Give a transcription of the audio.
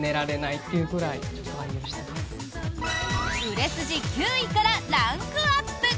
売れ筋９位からランクアップ！